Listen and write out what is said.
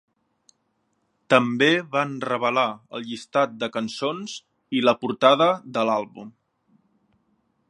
També van revelar el llistat de cançons i la portada de l'àlbum.